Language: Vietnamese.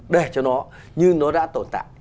để cho nó như nó đã tồn tại